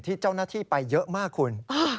ที่เจ้าหน้าที่ไปเยอะมากคุณ